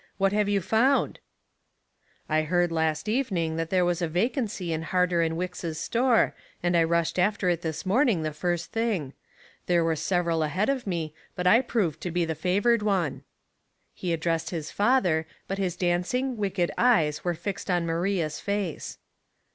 What have you found ?"" I heard, last evening, that there was a va cancy in Harter & Wicks' store, and I rushed after it this morning the first thing. There were several ahead of me, but I proved to be the fa vored one." He addressed his father, but his dancing, wicked eyes were fixed on Maria's face.